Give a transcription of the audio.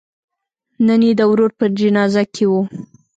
نن یې د ورور په جنازه کې و.